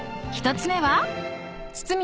１つ目は］